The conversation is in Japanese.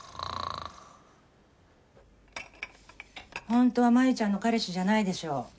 本当は真夢ちゃんの彼氏じゃないでしょ。